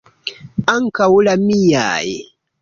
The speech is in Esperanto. Ankaŭ la miaj!